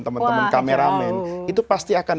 teman teman kameramen itu pasti akan